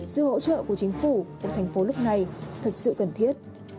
sự hỗ trợ của chính phủ của thành phố lúc này thật sự cần thiết